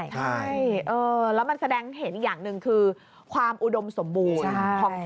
ใช่แล้วมันแสดงเห็นอีกอย่างหนึ่งคือความอุดมสมบูรณ์